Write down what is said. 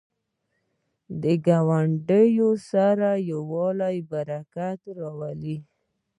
ګاونډي سره یووالی، برکت راولي